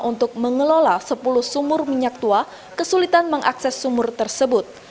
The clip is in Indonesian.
untuk mengelola sepuluh sumur minyak tua kesulitan mengakses sumur tersebut